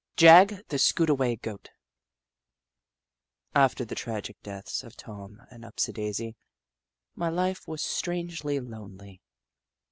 JAGG, THE SKOOTAWAY GOAT After the tragical deaths of Tom Tom and Upsldaisi, my Hfe was strangely lonely.